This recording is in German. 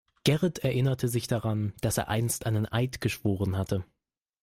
Gerrit erinnerte sich daran, dass er einst einen Eid geschworen hatte.